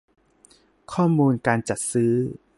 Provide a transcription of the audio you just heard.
ข้อมูลการจัดซื้อ